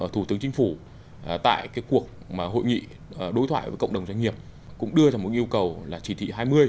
thủ tướng chính phủ tại cuộc hội nghị đối thoại với cộng đồng doanh nghiệp cũng đưa ra một yêu cầu là chỉ thị hai mươi